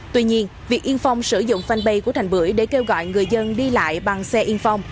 tuy nhiên việc yên phong sử dụng fanpage của thành bưởi để kêu gọi người dân đi lại bằng xe yên phong